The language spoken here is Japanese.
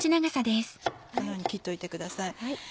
このように切っておいてください。